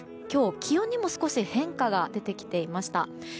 今日、気温にも少し変化が出てきていました。